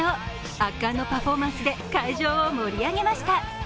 圧巻のパフォーマンスで会場を盛り上げました。